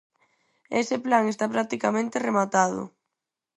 Ese plan está practicamente rematado.